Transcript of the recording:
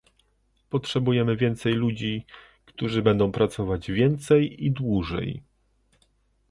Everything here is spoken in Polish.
potrzebujemy więcej ludzi, którzy będą pracować więcej i dłużej